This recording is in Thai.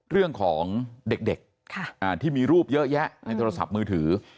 เรื่องของเด็กที่มีรูปเยอะแยะในโทรศัพท์มือถือ